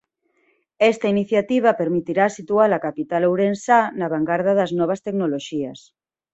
Esta iniciativa permitirá situar a capital ourensá na vangarda das novas tecnoloxías.